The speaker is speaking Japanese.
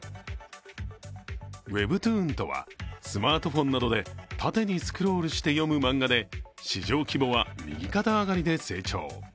ウェブトゥーンとは、スマートフォンなどで縦にスクロールして読む漫画で市場規模は右肩上がりで成長。